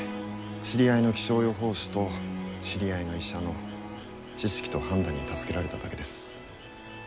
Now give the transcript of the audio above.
知り合いの気象予報士と知り合いの医者の知識と判断に助けられただけです。